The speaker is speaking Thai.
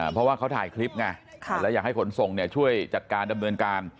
เพราะว่าเขาถ่ายคลิปไงแล้วอยากให้ขนส่งช่วยจัดการดำเนินการ